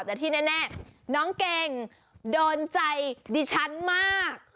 แต่ที่แน่น้องเก่งโดนใจดิฉันมาก